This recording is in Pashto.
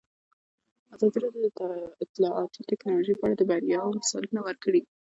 ازادي راډیو د اطلاعاتی تکنالوژي په اړه د بریاوو مثالونه ورکړي.